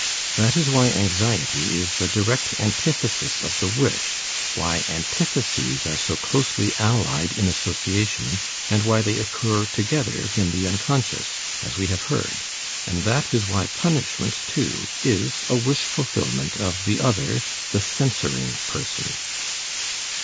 That is why anxiety is the direct antithesis of the wish, why antitheses are so closely allied in association and why they occur together in the unconscious, as we have heard; and that is why punishment, too, is a wish fulfillment of the other, the censoring person.